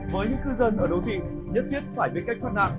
với những cư dân ở đô thị nhất thiết phải biết cách thoát nạn